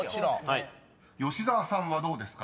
［吉澤さんはどうですか？